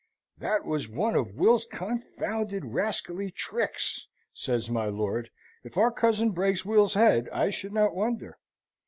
"That was one of Will's confounded rascally tricks," says my lord. "If our cousin breaks Will's head I should not wonder."